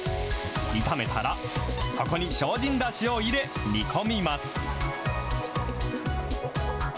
炒めたら、そこに精進だしを入れ、煮込みます。